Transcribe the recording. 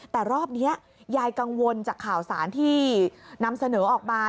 แต่รอบนี้ยายกังวลจากข่าวสารที่นำเสนอออกมา